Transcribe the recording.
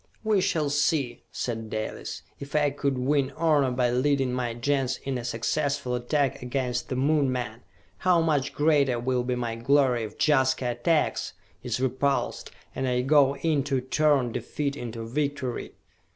"We shall see," said Dalis, "if I could win honor by leading my Gens in a successful attack against the Moon men, how much greater will be my glory if Jaska attacks, is repulsed and I go in to turn defeat into victory!"